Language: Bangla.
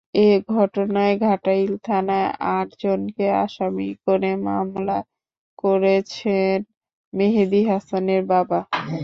এ ঘটনায় ঘাটাইল থানায় আটজনকে আসামি করে মামলা করেছেন মেহেদী হাসানের বাবা।